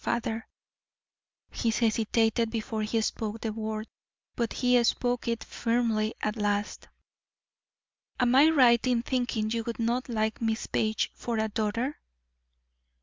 Father" he hesitated before he spoke the word, but he spoke it firmly at last, "am I right in thinking you would not like Miss Page for a daughter?"